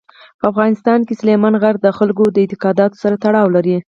په افغانستان کې سلیمان غر د خلکو د اعتقاداتو سره تړاو لري.